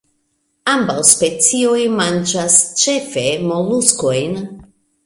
Ambaŭ specioj manĝas ĉefe moluskojn.